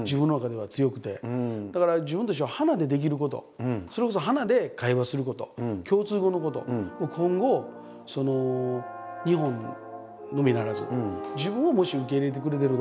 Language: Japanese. だから自分としても花でできることそれこそ花で会話すること共通語のこと今後その日本のみならず自分をもし受け入れてくれてる所もしくは自分を